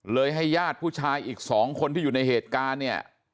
ให้ญาติผู้ชายอีก๒คนที่อยู่ในเหตุการณ์เนี่ย